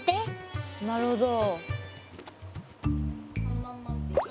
なるほど。